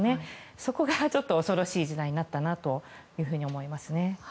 そこが、ちょっと恐ろしい時代になったと思います。